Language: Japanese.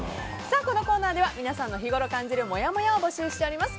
このコーナーでは皆さんの日ごろ感じるもやもやを募集しております。